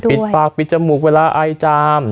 ปิดปากปิดจมูกเวลาไอจาม